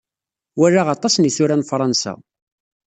Walaɣ aṭas n yisura n Fṛansa.